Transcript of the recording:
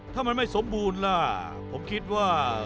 ถ้ามันไม่สมบูรณ์ล่ะผมคิดว่า